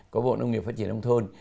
có bộ nông nghiệp phát triển nông thôn